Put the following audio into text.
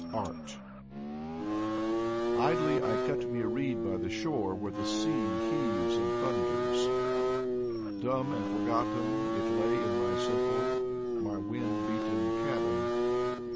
39 40 Apollon Maikov ART Idly I cut mc a reed by the shore where the sea heaves and thunders, — Dumb and forgotten it lay in my simple, my wind beaten cabin.